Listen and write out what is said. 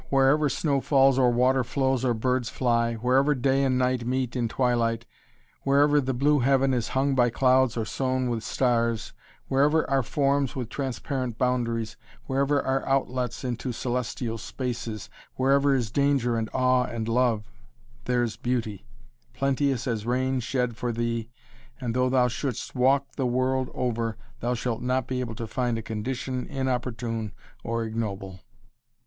Wherever snow falls or water flows or birds fly, wherever day and night meet in twilight, wherever the blue heaven is hung by clouds or sown with stars, wherever are forms with transparent boundaries, wherever are outlets into celestial spaces, wherever is danger and awe and love there's Beauty, plenteous as rain shed for thee and though thou shouldst walk the world over thou shalt not be able to find a condition inopportune or ignoble."